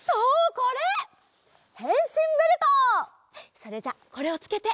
それじゃあこれをつけて。